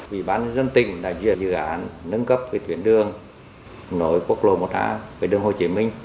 vị bán dân tỉnh đã dự án nâng cấp tuyến đường nổi quốc lộ một a về đường hồ chí minh